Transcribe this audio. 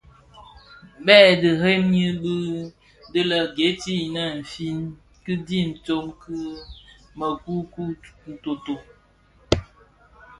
Bè dhëňrëňi dii di lè geeti in nfin kidhi tsom ki měkukuu, ntooto.